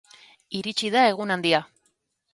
Iritsi da egun handia.